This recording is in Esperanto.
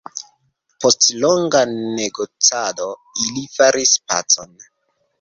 Post longa negocado ili faris pacon.